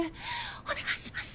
お願いします！